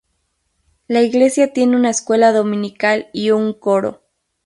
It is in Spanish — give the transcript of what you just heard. La iglesia tiene una escuela dominical y un coro.